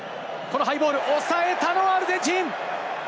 ハイボールを抑えたのはアルゼンチン。